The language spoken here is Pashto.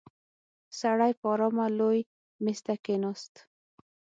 سړی په آرامه لوی مېز ته کېناست.